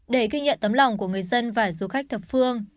để ghi nhận tấm lòng của người dân và du khách thập phương